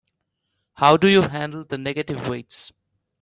How do you handle the negative weights?